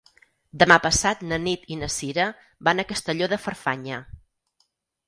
Demà passat na Nit i na Sira van a Castelló de Farfanya.